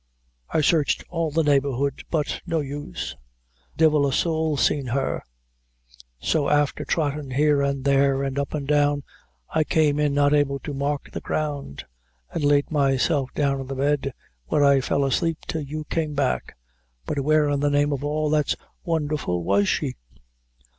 I searched all the neighborhood, but no use divil a sowl seen her so afther trottin' here an' there, an' up and down, I came in not able to mark the ground, and laid myself down on the bed, where I fell asleep till you came back; but where, in the name of all that's wonderful, was she?"